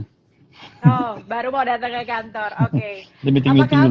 oh baru mau datang ke kantor oke